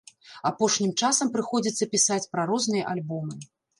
Апошнім часам прыходзіцца пісаць пра розныя альбомы.